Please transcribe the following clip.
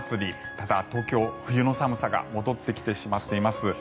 ただ、東京は冬の寒さが戻ってきてしまっています。